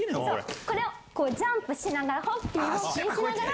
これをジャンプしながらホッピングを気にしながら。